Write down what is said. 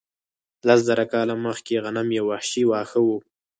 لس زره کاله مخکې غنم یو وحشي واښه و.